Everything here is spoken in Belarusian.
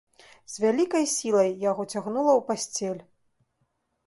З вялікай сілай яго цягнула ў пасцель.